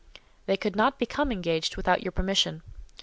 "They could not become engaged without your permission."